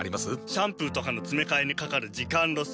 シャンプーとかのつめかえにかかる時間ロス。